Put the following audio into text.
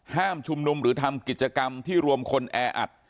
ชุมนุมหรือทำกิจกรรมที่รวมคนแออัด